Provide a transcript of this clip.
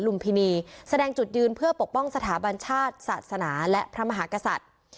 พินีแสดงจุดยืนเพื่อปกป้องสถาบันชาติศาสนาและพระมหากษัตริย์